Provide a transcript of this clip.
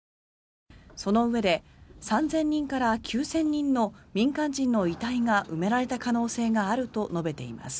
そのうえで３０００人から９０００人の民間人の遺体が埋められた可能性があると述べています。